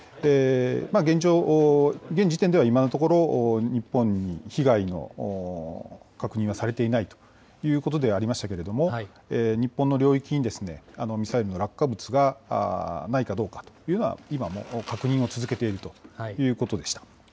現状、現時点では今のところ、日本に被害の確認はされていないということでありましたけれども、日本の領域にミサイルの落下物がないかどうかというのは今も確認確認を続けていると。